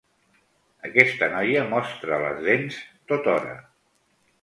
Aquesta noia mostra les dents tothora.